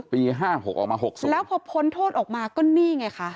๕๖ออกมา๖๐แล้วพอพ้นโทษออกมาก็นี่ไงคะ